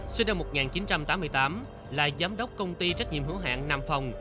sinh năm một nghìn chín trăm tám mươi tám là giám đốc công ty trách nhiệm hữu hạn nam phòng